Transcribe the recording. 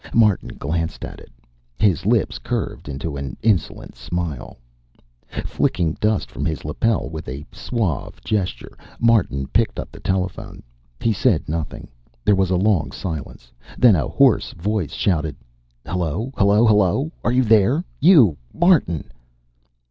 Martin glanced at it. His lips curved into an insolent smile. Flicking dust from his lapel with a suave gesture, Martin picked up the telephone. He said nothing. There was a long silence. Then a hoarse voice shouted, "Hello, hello, hello! Are you there? You, Martin!"